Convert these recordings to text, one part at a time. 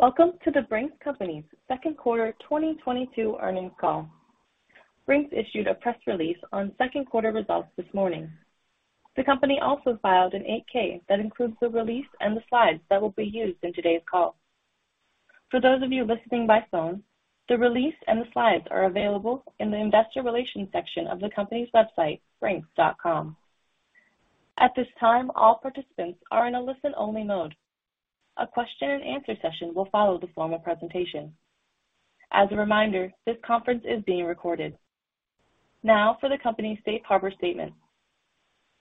Welcome to The Brink's Company's second quarter 2022 earnings call..The Brink's Company issued a press release on second quarter results this morning. The company also filed a Form 8-K that includes the release and the slides that will be used in today's call. For those of you listening by phone, the release and the slides are available in the investor relations section of the company's website, brinks.com. At this time, all participants are in a listen-only mode. A question-and-answer session will follow the formal presentation. As a reminder, this conference is being recorded. Now for the company's safe harbor statement.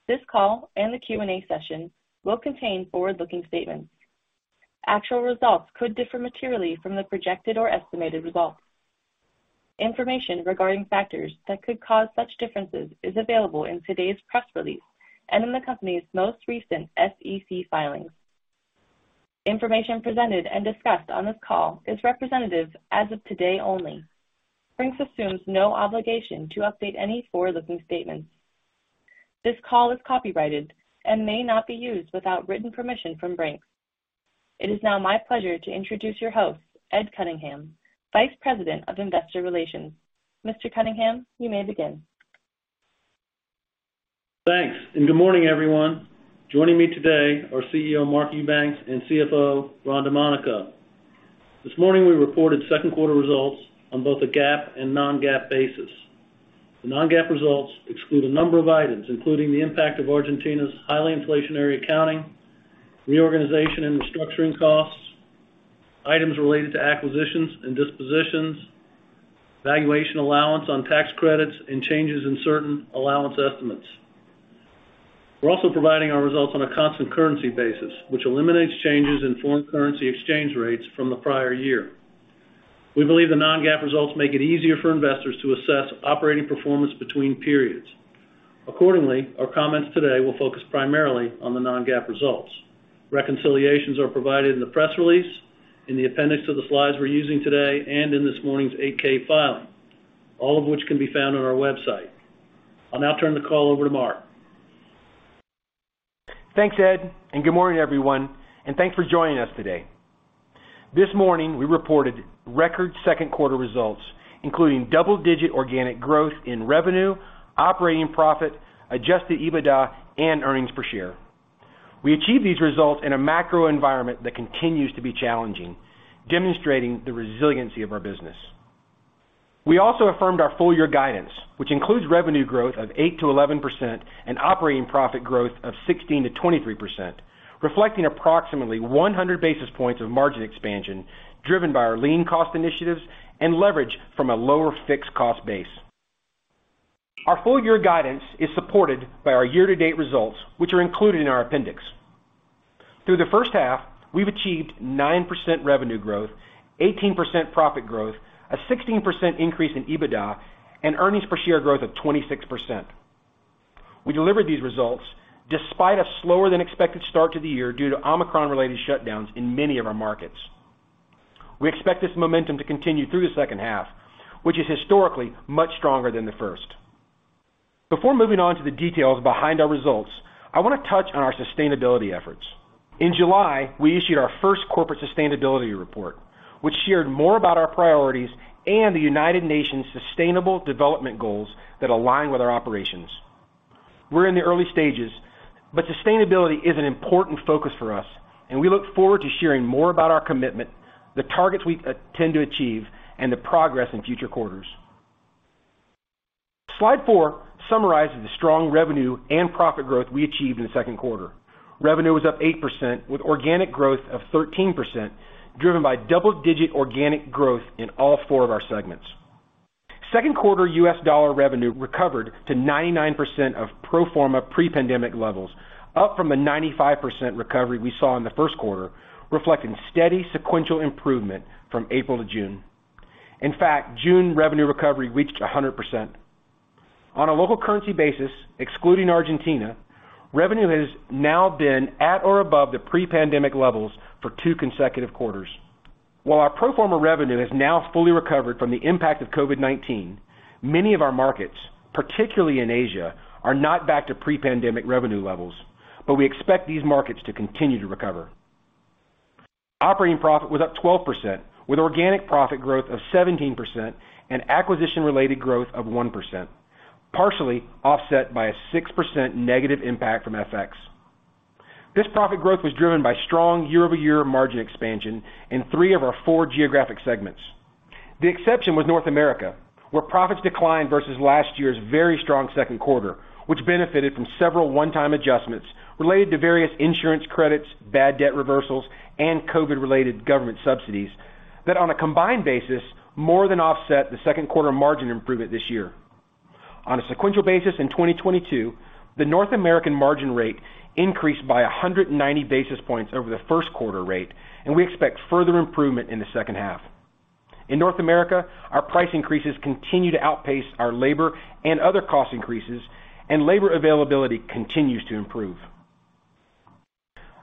This call and the Q&A session will contain forward-looking statements. Actual results could differ materially from the projected or estimated results. Information regarding factors that could cause such differences is available in today's press release and in the company's most recent SEC filings. Information presented and discussed on this call is representative as of today only. Brink's assumes no obligation to update any forward-looking statements. This call is copyrighted and may not be used without written permission from Brink's. It is now my pleasure to introduce your host, Ed Cunningham, Vice President of Investor Relations. Mr. Cunningham, you may begin. Thanks, good morning, everyone. Joining me today are CEO, Mark Eubanks and CFO, Ron Domanico. This morning, we reported second quarter results on both a GAAP and non-GAAP basis. The non-GAAP results exclude a number of items, including the impact of Argentina's highly inflationary accounting, reorganization and restructuring costs, items related to acquisitions and dispositions, valuation allowance on tax credits, and changes in certain allowance estimates. We're also providing our results on a constant currency basis, which eliminates changes in foreign currency exchange rates from the prior year. We believe the non-GAAP results make it easier for investors to assess operating performance between periods. Accordingly, our comments today will focus primarily on the non-GAAP results. Reconciliations are provided in the press release, in the appendix of the slides we're using today, and in this morning's Form 8-K filing, all of which can be found on our website. I'll now turn the call over to Mark. Thanks, Ed, and good morning, everyone, and thanks for joining us today. This morning, we reported record second-quarter results, including double-digit organic growth in revenue, operating profit, adjusted EBITDA, and earnings per share. We achieved these results in a macro environment that continues to be challenging, demonstrating the resiliency of our business. We also affirmed our full-year guidance, which includes revenue growth of 8%-11% and operating profit growth of 16%-23%, reflecting approximately 100 basis points of margin expansion driven by our lean cost initiatives and leverage from a lower fixed cost base. Our full-year guidance is supported by our year-to-date results, which are included in our appendix. Through the first half, we've achieved 9% revenue growth, 18% profit growth, a 16% increase in EBITDA, and earnings per share growth of 26%. We delivered these results despite a slower-than-expected start to the year due to Omicron-related shutdowns in many of our markets. We expect this momentum to continue through the second half, which is historically much stronger than the first. Before moving on to the details behind our results, I wanna touch on our sustainability efforts. In July, we issued our first corporate sustainability report, which shared more about our priorities and the United Nations Sustainable Development Goals that align with our operations. We're in the early stages, but sustainability is an important focus for us, and we look forward to sharing more about our commitment, the targets we tend to achieve, and the progress in future quarters. Slide four summarizes the strong revenue and profit growth we achieved in the second quarter. Revenue was up 8%, with organic growth of 13%, driven by double-digit organic growth in all four of our segments. Second quarter U.S. dollar revenue recovered to 99% of pro forma pre-pandemic levels, up from a 95% recovery we saw in the first quarter, reflecting steady sequential improvement from April to June. In fact, June revenue recovery reached 100%. On a local currency basis, excluding Argentina, revenue has now been at or above the pre-pandemic levels for two consecutive quarters. While our pro forma revenue has now fully recovered from the impact of COVID-19, many of our markets, particularly in Asia, are not back to pre-pandemic revenue levels, but we expect these markets to continue to recover. Operating profit was up 12%, with organic profit growth of 17% and acquisition-related growth of 1%, partially offset by a 6% negative impact from FX. This profit growth was driven by strong year-over-year margin expansion in three of our four geographic segments. The exception was North America, where profits declined versus last year's very strong second quarter, which benefited from several one-time adjustments related to various insurance credits, bad debt reversals, and COVID-related government subsidies that, on a combined basis, more than offset the second quarter margin improvement this year. On a sequential basis in 2022, the North American margin rate increased by 190 basis points over the first quarter rate, and we expect further improvement in the second half. In North America, our price increases continue to outpace our labor and other cost increases, and labor availability continues to improve.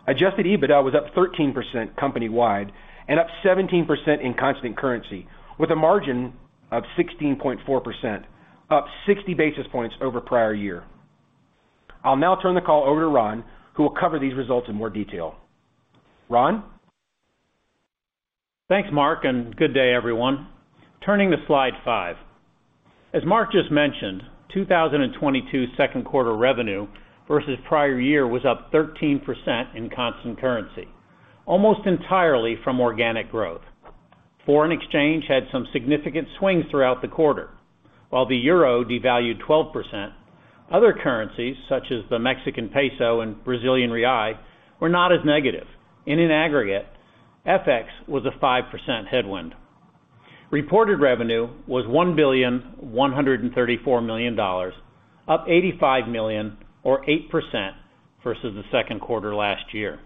Adjusted EBITDA was up 13% company-wide and up 17% in constant currency, with a margin of 16.4%, up 60 basis points over prior year. I'll now turn the call over to Ron, who will cover these results in more detail. Ron? Thanks, Mark, and good day everyone. Turning to Slide five. As Mark just mentioned, 2022 second quarter revenue versus prior year was up 13% in constant currency, almost entirely from organic growth. Foreign exchange had some significant swings throughout the quarter. While the euro devalued 12%, other currencies, such as the Mexican peso and Brazilian real, were not as negative. In aggregate, FX was a 5% headwind. Reported revenue was $1,134 million, up $85 million or 8% versus the second quarter last year.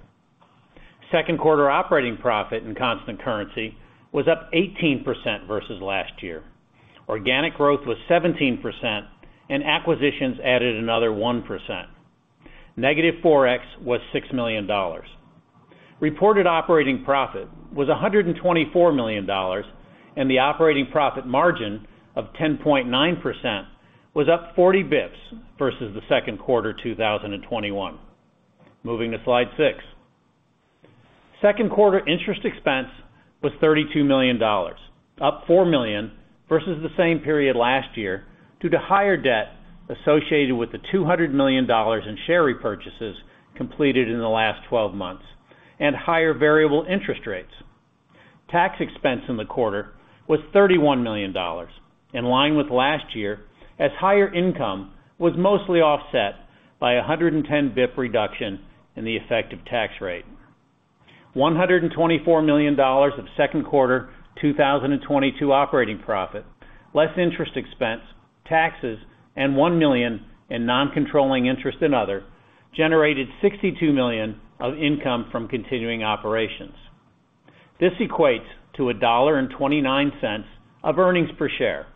Second quarter operating profit in constant currency was up 18% versus last year. Organic growth was 17%, and acquisitions added another 1%. Negative FX was $6 million. Reported operating profit was $124 million, and the operating profit margin of 10.9% was up 40 basis points versus the second quarter 2021. Moving to Slide 6. Second quarter interest expense was $32 million, up $4 million versus the same period last year due to higher debt associated with the $200 million in share repurchases completed in the last twelve months and higher variable interest rates. Tax expense in the quarter was $31 million, in line with last year, as higher income was mostly offset by a 110 basis points reduction in the effective tax rate. $124 million of second quarter 2022 operating profit, less interest expense, taxes, and $1 million in non-controlling interest in other, generated $62 million of income from continuing operations. This equates to $1.29 of earnings per share,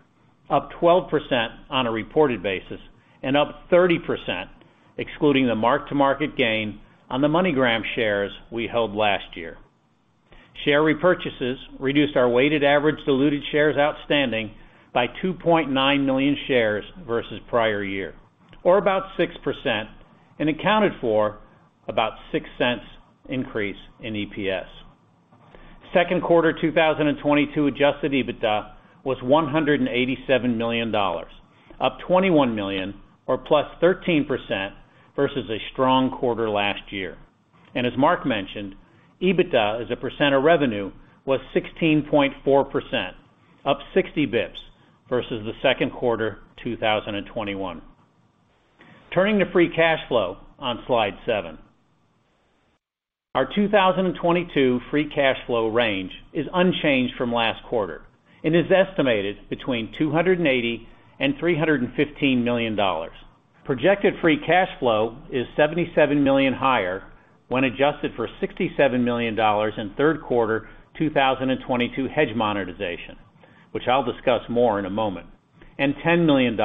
up 12% on a reported basis and up 30% excluding the mark-to-market gain on the MoneyGram shares we held last year. Share repurchases reduced our weighted average diluted shares outstanding by 2.9 million shares versus prior year, or about 6%, and accounted for about $0.06 increase in EPS. Second quarter 2022 adjusted EBITDA was $187 million, up $21 million or +13% versus a strong quarter last year. As Mark mentioned, EBITDA as a percent of revenue was 16.4%, up 60 basis points versus the second quarter 2021. Turning to free cash flow on Slide seven. Our 2022 free cash flow range is unchanged from last quarter and is estimated between $280 million and $315 million. Projected free cash flow is $77 million higher when adjusted for $67 million in third quarter 2022 hedge monetization, which I'll discuss more in a moment, and $10 million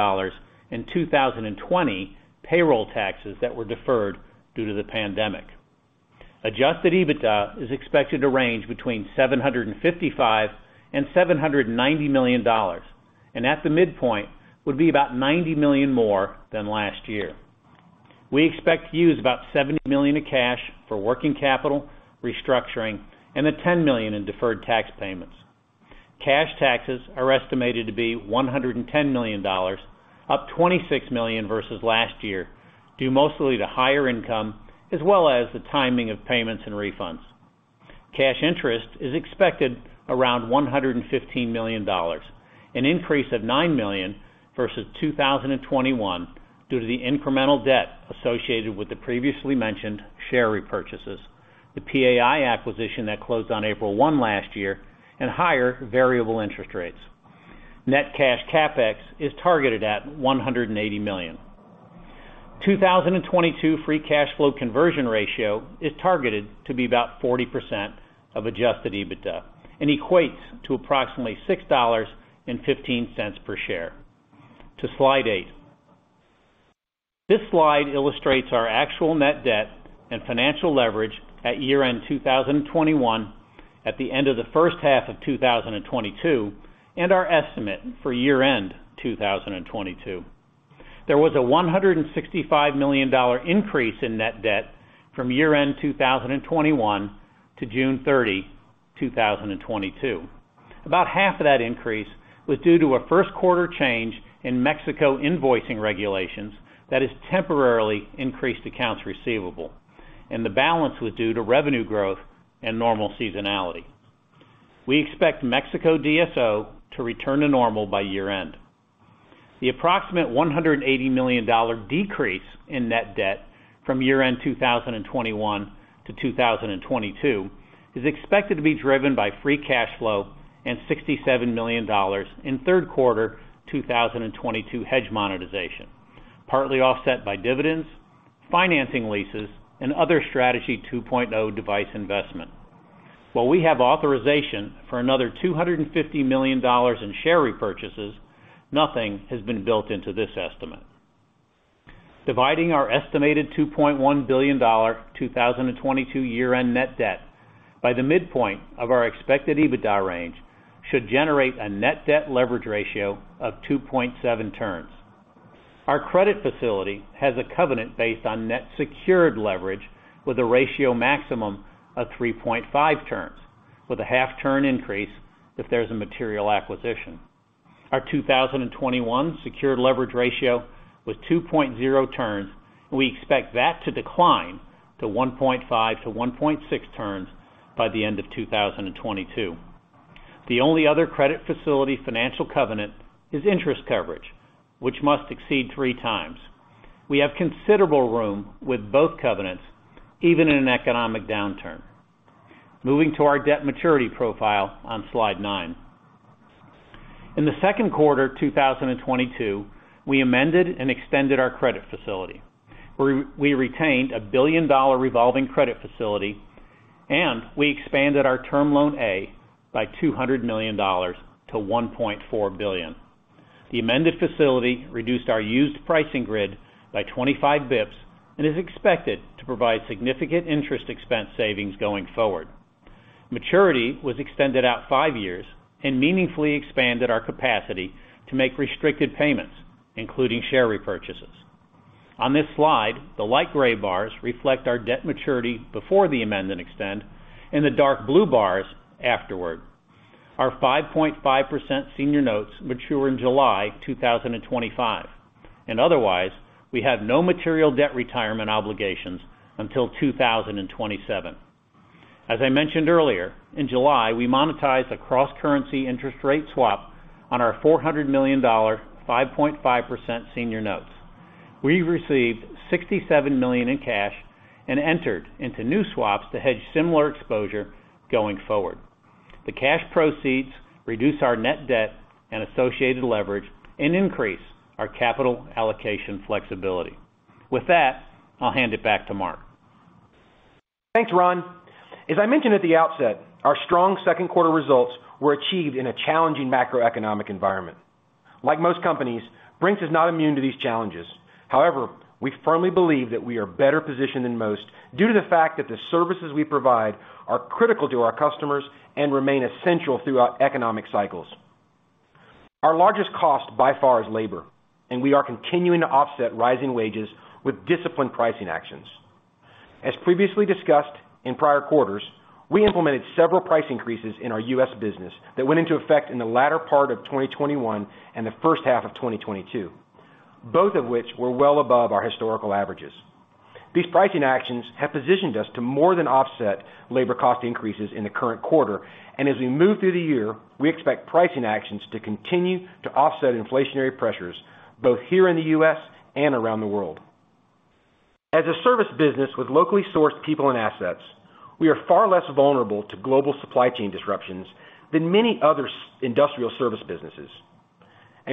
in 2020 payroll taxes that were deferred due to the pandemic. Adjusted EBITDA is expected to range between $755 million and $790 million, and at the midpoint would be about $90 million more than last year. We expect to use about $70 million of cash for working capital restructuring and the $10 million in deferred tax payments. Cash taxes are estimated to be $110 million, up $26 million versus last year, due mostly to higher income as well as the timing of payments and refunds. Cash interest is expected around $115 million, an increase of $9 million versus 2021 due to the incremental debt associated with the previously mentioned share repurchases, the PAI acquisition that closed on April 1 last year, and higher variable interest rates. Net cash CapEx is targeted at $180 million. 2022 free cash flow conversion ratio is targeted to be about 40% of Adjusted EBITDA and equates to approximately $6.15 per share. To Slide eight. This slide illustrates our actual net debt and financial leverage at year-end 2021, at the end of the first half of 2022, and our estimate for year-end 2022. There was a $165 million increase in net debt from year-end 2021 to June 30, 2022. About half of that increase was due to a first-quarter change in Mexico invoicing regulations that has temporarily increased accounts receivable, and the balance was due to revenue growth and normal seasonality. We expect Mexico DSO to return to normal by year-end. The approximate $180 million decrease in net debt from year-end 2021 to 2022 is expected to be driven by free cash flow and $67 million in third quarter 2022 hedge monetization, partly offset by dividends, financing leases, and other Strategy 2.0 device investments. While we have authorization for another $250 million in share repurchases, nothing has been built into this estimate. Dividing our estimated $2.1 billion 2022 year-end net debt by the midpoint of our expected EBITDA range should generate a net debt leverage ratio of 2.7 turns. Our credit facility has a covenant based on net secured leverage with a maximum ratio of 3.5 turns, with a half-turn increase if there's a material acquisition. Our 2021 secured leverage ratio was 2.0 turns, and we expect that to decline to 1.5-1.6 turns by the end of 2022. The only other credit facility financial covenant is interest coverage, which must exceed three times. We have considerable room with both covenants, even in an economic downturn. Moving to our debt maturity profile on slide nine. In the second quarter 2022, we amended and extended our credit facility, where we retained a $1 billion revolving credit facility, and we expanded our term loan A by $200million -$of 1.4 billion. The amended facility reduced our used pricing grid by 25 bps and is expected to provide significant interest expense savings going forward. Maturity was extended out five years and meaningfully expanded our capacity to make restricted payments, including share repurchases. On this slide, the light gray bars reflect our debt maturity before the amend and extend, and the dark blue bars afterward. Our 5.5% senior notes mature in July 2025, and otherwise we have no material debt retirement obligations until 2027. As I mentioned earlier, in July, we monetized a cross-currency interest rate swap on our $400 million 5.5% senior notes. We received $67 million in cash and entered into new swaps to hedge similar exposure going forward. The cash proceeds reduce our net debt and associated leverage and increase our capital allocation flexibility. With that, I'll hand it back to Mark. Thanks, Ron. As I mentioned at the outset, our strong second quarter results were achieved in a challenging macroeconomic environment. Like most companies, Brink's is not immune to these challenges. However, we firmly believe that we are better positioned than most due to the fact that the services we provide are critical to our customers and remain essential throughout economic cycles. Our largest cost by far is labor, and we are continuing to offset rising wages with disciplined pricing actions. As previously discussed in prior quarters, we implemented several price increases in our U.S. business that went into effect in the latter part of 2021 and the first half of 2022, both of which were well above our historical averages. These pricing actions have positioned us to more than offset labor cost increases in the current quarter. As we move through the year, we expect pricing actions to continue to offset inflationary pressures both here in the U.S. and around the world. As a service business with locally sourced people and assets, we are far less vulnerable to global supply chain disruptions than many other industrial service businesses.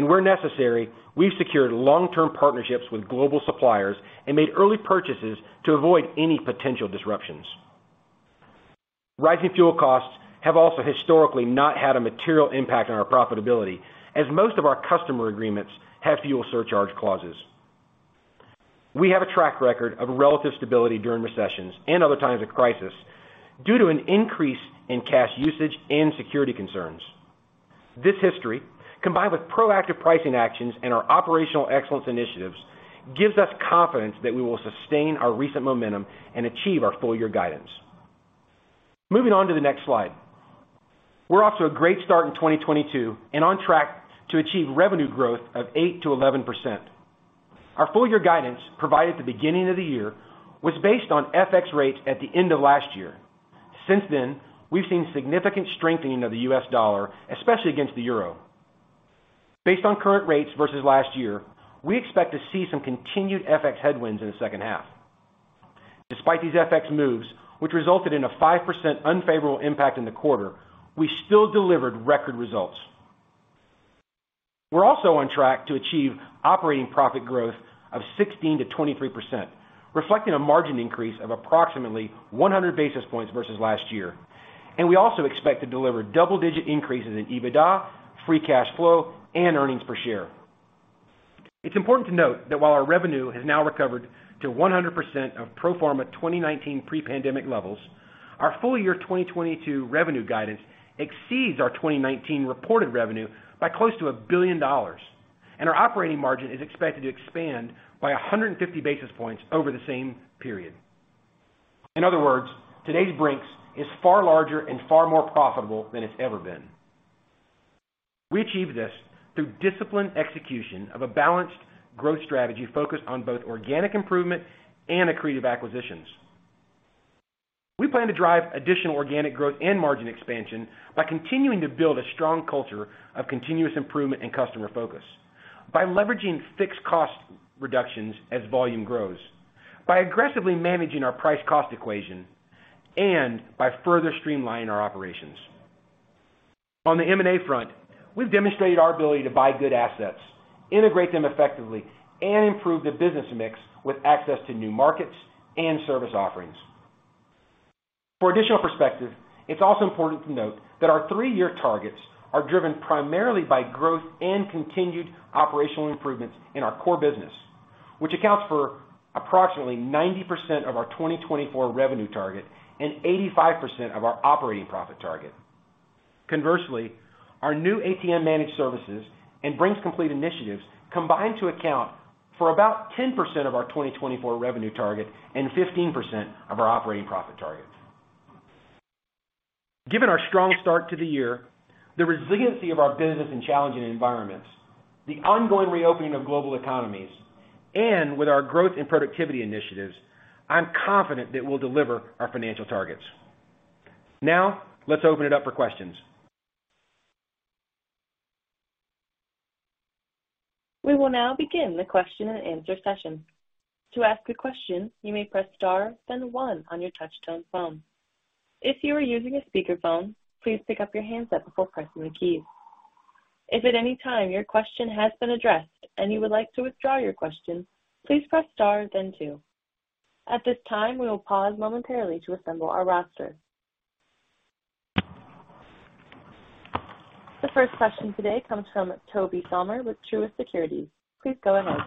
Where necessary, we've secured long-term partnerships with global suppliers and made early purchases to avoid any potential disruptions. Rising fuel costs have also historically not had a material impact on our profitability, as most of our customer agreements have fuel surcharge clauses. We have a track record of relative stability during recessions and other times of crisis due to an increase in cash usage and security concerns. This history, combined with proactive pricing actions and our operational excellence initiatives, gives us confidence that we will sustain our recent momentum and achieve our full year guidance. Moving on to the next slide. We're off to a great start in 2022 and on track to achieve revenue growth of 8%-11%. Our full year guidance provided at the beginning of the year was based on FX rates at the end of last year. Since then, we've seen significant strengthening of the US dollar, especially against the euro. Based on current rates versus last year, we expect to see some continued FX headwinds in the second half. Despite these FX moves, which resulted in a 5% unfavorable impact in the quarter, we still delivered record results. We're also on track to achieve operating profit growth of 16%-23%, reflecting a margin increase of approximately 100 basis points versus last year. We also expect to deliver double-digit increases in EBITDA, free cash flow, and earnings per share. It's important to note that while our revenue has now recovered to 100% of pro forma 2019 pre-pandemic levels, our full year 2022 revenue guidance exceeds our 2019 reported revenue by close to $1 billion, and our operating margin is expected to expand by 150 basis points over the same period. In other words, today's Brink's is far larger and far more profitable than it's ever been. We achieved this through disciplined execution of a balanced growth strategy focused on both organic improvement and accretive acquisitions. We plan to drive additional organic growth and margin expansion by continuing to build a strong culture of continuous improvement and customer focus by leveraging fixed cost reductions as volume grows, by aggressively managing our price-cost equation, and by further streamlining our operations. On the M&A front, we've demonstrated our ability to buy good assets, integrate them effectively, and improve the business mix with access to new markets and service offerings. For additional perspective, it's also important to note that our three-year targets are driven primarily by growth and continued operational improvements in our core business, which accounts for approximately 90% of our 2024 revenue target and 85% of our operating profit target. Conversely, our new ATM Managed Services and Brink's Complete initiatives combine to account for about 10% of our 2024 revenue target and 15% of our operating profit targets. Given our strong start to the year, the resiliency of our business and challenging environments, the ongoing reopening of global economies, and with our growth and productivity initiatives, I'm confident that we'll deliver our financial targets. Now, let's open it up for questions. We will now begin the question and answer session. To ask a question, you may press Star, then one on your touchtone phone. If you are using a speakerphone, please pick up your handset before pressing the keys. If at any time your question has been addressed and you would like to withdraw your question, please press Star then two. At this time, we will pause momentarily to assemble our roster. The first question today comes from Tobey Sommer with Truist Securities. Please go ahead.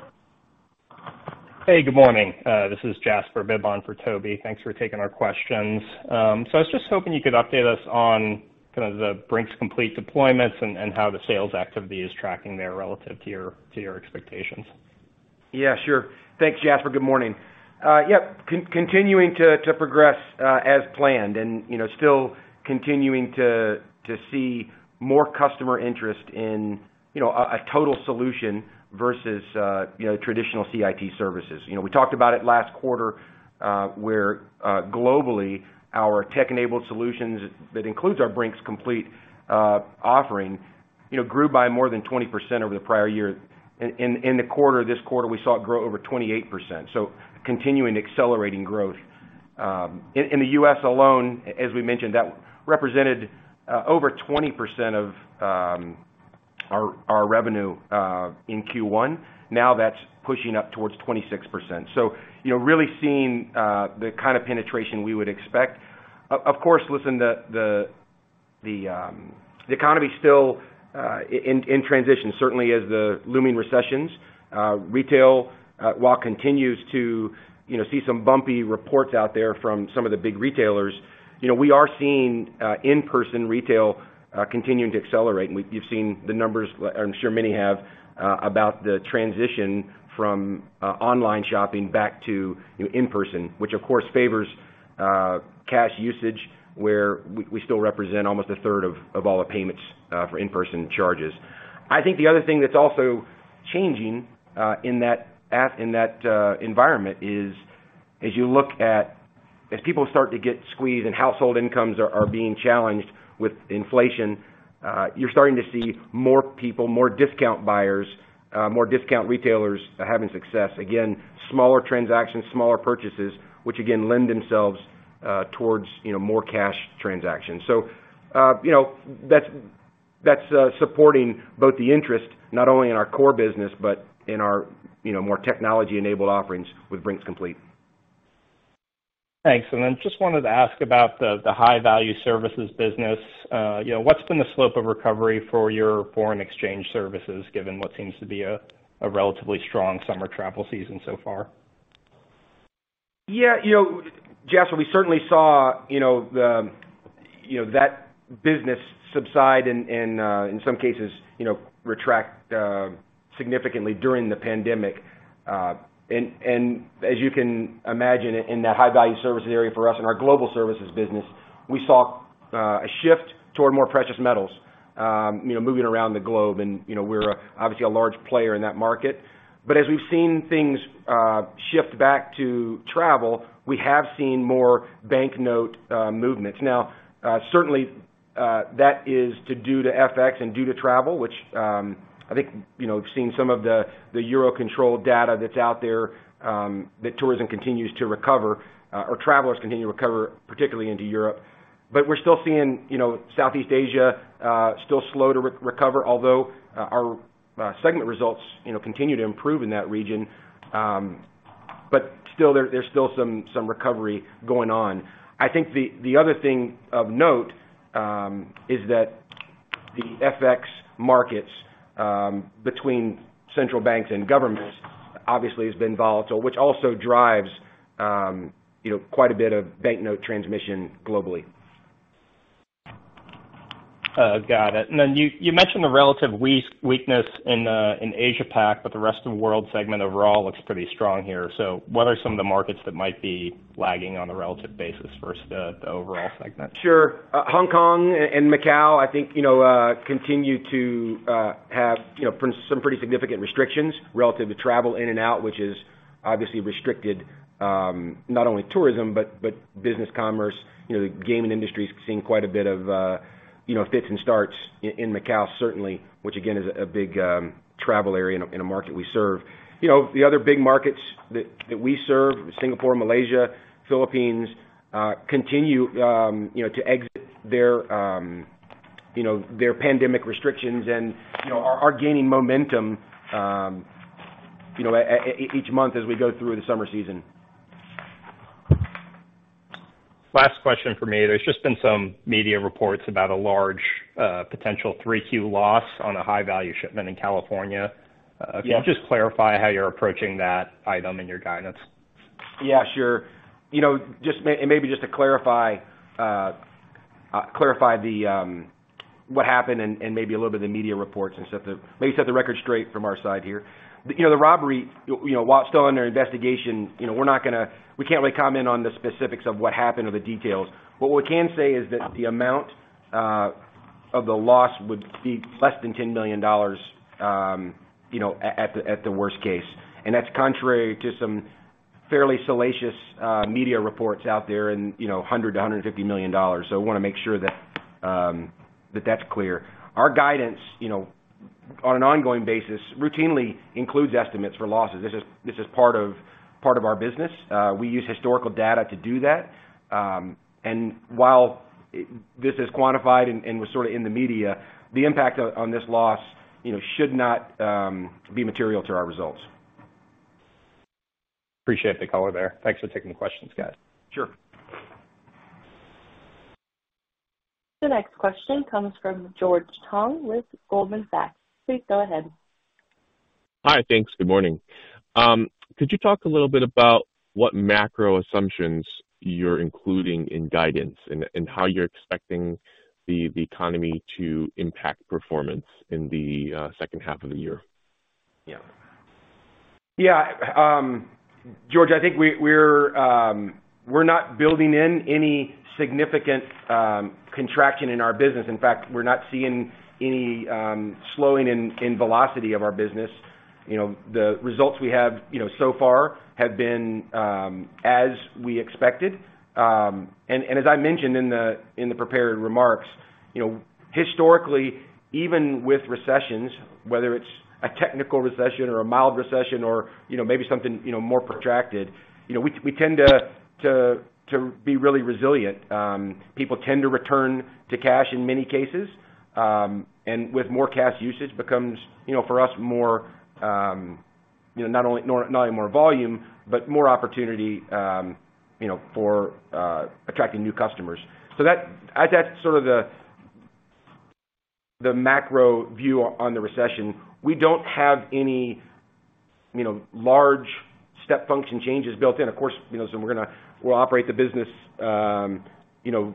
Hey, good morning. This is Jasper Bibb for Tobey. Thanks for taking our questions. I was just hoping you could update us on kinda the Brink's Complete deployments and how the sales activity is tracking there relative to your expectations. Yeah, sure. Thanks, Jasper. Good morning. Yep. Continuing to progress as planned and, you know, still continuing to see more customer interest in, you know, a total solution versus, you know, traditional CIT services. You know, we talked about it last quarter, where globally, our tech-enabled solutions that includes our Brink's Complete offering, you know, grew by more than 20% over the prior year. In this quarter, we saw it grow over 28%. Continuing accelerating growth. In the U.S. alone, as we mentioned, that represented over 20% of our revenue in Q1. Now that's pushing up towards 26%. You know, really seeing the kind of penetration we would expect. Of course, the economy is still in transition, certainly as the looming recessions. Retail, while continues to, you know, see some bumpy reports out there from some of the big retailers. You know, we are seeing in-person retail continuing to accelerate. You've seen the numbers, I'm sure many have, about the transition from online shopping back to, you know, in person, which of course favors cash usage, where we still represent almost a third of all the payments for in-person charges. I think the other thing that's also changing in that environment is as people start to get squeezed and household incomes are being challenged with inflation, you're starting to see more people, more discount buyers, more discount retailers having success. Again, smaller transactions, smaller purchases, which again lend themselves towards, you know, more cash transactions. You know, that's supporting both the interest not only in our core business but in our, you know, more technology-enabled offerings with Brink's Complete. Thanks. Just wanted to ask about the high value services business. You know, what's been the slope of recovery for your foreign exchange services, given what seems to be a relatively strong summer travel season so far? Yeah, you know, Jasper, we certainly saw, you know, that business subside and in some cases, you know, retract significantly during the pandemic. As you can imagine, in that high value services area for us, in our global services business, we saw a shift toward more precious metals, you know, moving around the globe. You know, we're obviously a large player in that market. But as we've seen things shift back to travel, we have seen more banknote movements. Now, certainly, that is due to FX and due to travel, which, I think, you know, we've seen some of the Eurocontrol data that's out there, that tourism continues to recover or travelers continue to recover, particularly into Europe. We're still seeing, you know, Southeast Asia still slow to recover, although our segment results, you know, continue to improve in that region. Still, there's still some recovery going on. I think the other thing of note is that the FX markets between central banks and governments obviously has been volatile, which also drives, you know, quite a bit of banknote transmission globally. Got it. Then you mentioned the relative weakness in Asia Pac, but the rest of the world segment overall looks pretty strong here. What are some of the markets that might be lagging on a relative basis versus the overall segment? Sure. Hong Kong and Macau, I think, you know, continue to have, you know, some pretty significant restrictions relative to travel in and out, which has obviously restricted not only tourism but business commerce. You know, the gaming industry is seeing quite a bit of, you know, fits and starts in Macau, certainly, which again is a big travel area in a market we serve. You know, the other big markets that we serve, Singapore, Malaysia, Philippines, continue, you know, to exit their, you know, their pandemic restrictions and, you know, are gaining momentum, you know, each month as we go through the summer season. Last question for me. There's just been some media reports about a large, potential 3Q loss on a high-value shipment in California. Yeah. Can you just clarify how you're approaching that item in your guidance? You know, just maybe just to clarify what happened and maybe a little bit of the media reports,, and let me set the record straight from our side here. You know, the robbery, you know, while it's still under investigation, you know, we're not gonna we can't really comment on the specifics of what happened or the details. What we can say is that the amount of the loss would be less than $10 million, you know, at the worst case. That's contrary to some fairly salacious media reports out there and, you know, $100-150 million. I wanna make sure that that's clear. Our guidance, you know, on an ongoing basis routinely includes estimates for losses. This is part of our business. We use historical data to do that. While this is quantified and was sort of in the media, the impact on this loss, you know, should not be material to our results. Appreciate the color there. Thanks for taking the questions, guys. Sure. The next question comes from George Tong with Goldman Sachs. Please go ahead. Hi. Thanks. Good morning. Could you talk a little bit about what macro assumptions you're including in guidance and how you're expecting the economy to impact performance in the second half of the year? Yeah. George, I think we're not building in any significant contraction in our business. In fact, we're not seeing any slowing in the velocity of our business. You know, the results we have so far have been as we expected. As I mentioned in the prepared remarks, you know, historically, even with recessions, whether it's a technical recession or a mild recession or, you know, maybe something more protracted, you know, we tend to be really resilient. People tend to return to cash in many cases, and with more cash usage becomes, you know, for us more, you know, not only more volume, but more opportunity, you know, for attracting new customers. I think that's sort of the macro view on the recession. We don't have any, you know, large step function changes built in. Of course, you know, we'll operate the business, you know,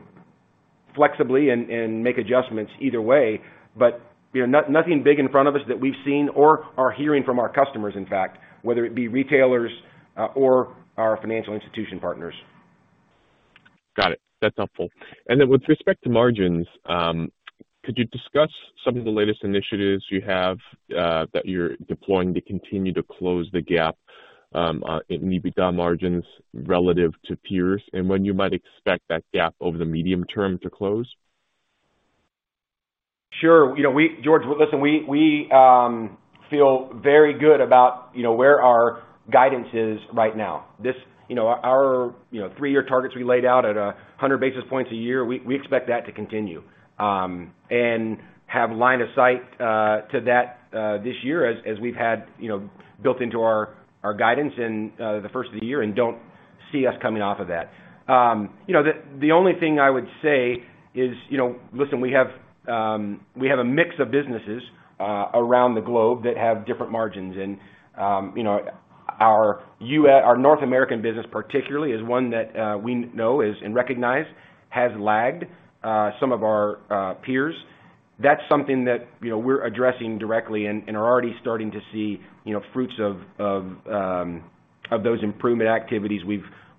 flexibly and make adjustments either way. You know, nothing big in front of us that we've seen or are hearing from our customers, in fact, whether it be retailers or our financial institution partners. Got it. That's helpful. With respect to margins, could you discuss some of the latest initiatives you have that you're deploying to continue to close the gap in EBITDA margins relative to peers, and when you might expect that gap over the medium term to close? Sure. You know, George, listen, we feel very good about, you know, where our guidance is right now. This, you know, the three-year targets we laid out at 100 basis points a year, we expect that to continue and have line of sight to that this year, as we've had, you know, built into our guidance in the first of the year, and don't see us coming off of that. You know, the only thing I would say is, you know, listen, we have a mix of businesses around the globe that have different margins. You know, our North American business, particularly, is one that we know is and recognizes has lagged some of our peers. That's something that, you know, we're addressing directly and are already starting to see, you know, fruits of those improvement activities.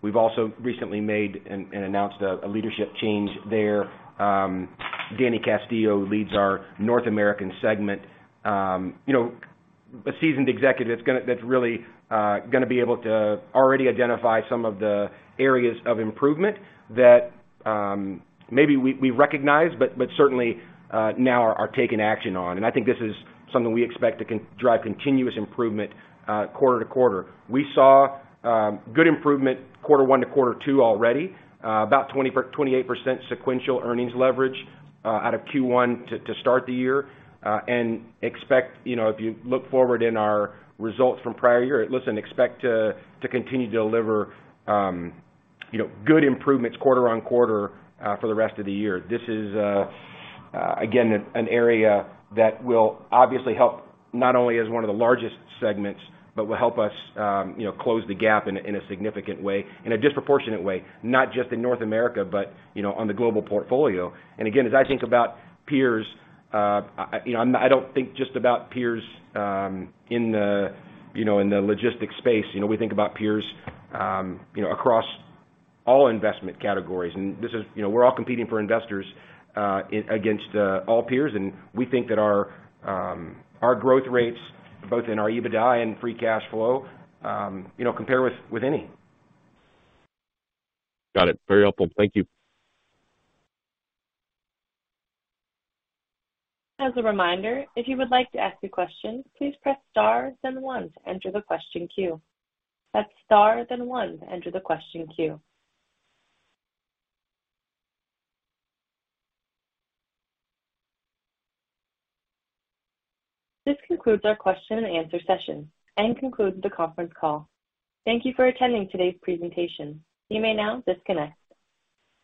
We've also recently made and announced a leadership change there. Daniel Castillo leads our North American segment. You know, a seasoned executive that's really gonna be able to already identify some of the areas of improvement that maybe we recognize, but certainly now are taking action on. I think this is something we expect to drive continuous improvement quarter to quarter. We saw good improvement quarter one to quarter two already, about 28% sequential earnings leverage out of Q1 to start the year. Expect, you know, if you look forward in our results from prior year, expect to continue to deliver, you know, good improvements quarter on quarter for the rest of the year. This is again an area that will obviously help not only as one of the largest segments, but will help us, you know, close the gap in a significant way, in a disproportionate way, not just in North America, but, you know, on the global portfolio. Again, as I think about peers, you know, I don't think just about peers, you know, in the logistics space. You know, we think about peers, you know, across all investment categories. This is you know, we're all competing for investors against all peers, and we think that our growth rates, both in our EBITDA and free cash flow, you know, compare with any. Got it. Very helpful. Thank you. As a reminder, if you would like to ask a question, please press star then one to enter the question queue. That's star then one to enter the question queue. This concludes our question and answer session, and concludes the conference call. Thank you for attending today's presentation. You may now disconnect.